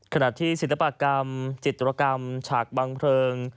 ขณะที่ศิลปกรรมจิตรกรรมฉากบังเพลิง